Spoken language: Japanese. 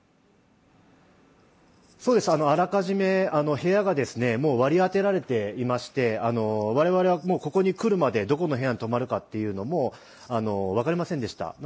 そうです、あらかじめ部屋が割り当てられていまして、我々はここに来るまで、どこの部屋に泊まるかというのも分かりませんでした。